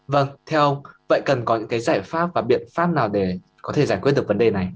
vâng thưa ông vậy cần có những cái giải pháp và biện pháp nào để có thể giải quyết được vấn đề này